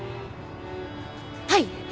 はい。